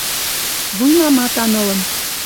Вуйнаматан ылын...